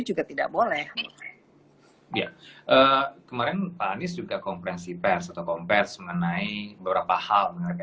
juga tidak boleh ya kemarin panis juga kompresi pers atau kompres mengenai beberapa hal mereka